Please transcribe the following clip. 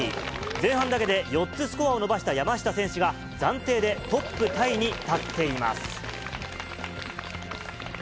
前半だけで４つスコアを伸ばした山下選手が暫定でトップタイに立っています。